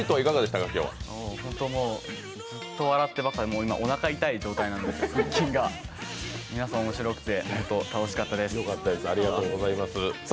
ずっと笑ってばっかで、今、おなか痛い状態なんですけど、皆さん面白くて、本当に楽しかったです。